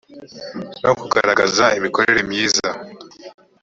no kugaragaza imikorere myiza